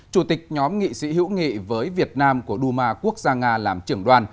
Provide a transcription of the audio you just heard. chủ tịch nhóm nghị sĩ hữu nghị với việt nam của duma quốc gia nga làm trưởng đoàn